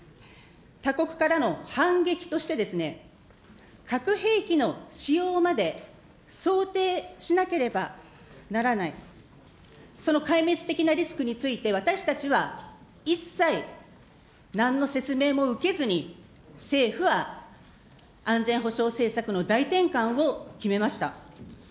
他国からの反撃として、核兵器の使用まで想定しなければならない、その壊滅的なリスクについて、私たちは一切なんの説明も受けずに、政府は安全保障政策の大転換を決めました。